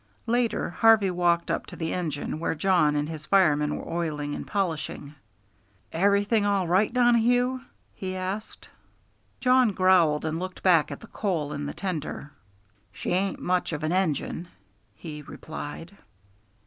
Later Harvey walked up to the engine, where Jawn and his fireman were oiling and polishing. "Everything all right, Donohue?" he asked. Jawn growled and looked back at the coal in the tender. "She ain't much of an engine," he replied.